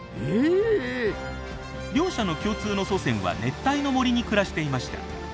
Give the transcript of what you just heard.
へえ！両者の共通の祖先は熱帯の森に暮らしていました。